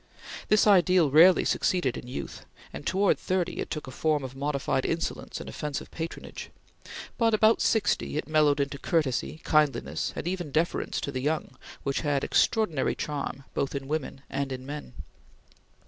This ideal rarely succeeded in youth, and towards thirty it took a form of modified insolence and offensive patronage; but about sixty it mellowed into courtesy, kindliness, and even deference to the young which had extraordinary charm both in women and in men.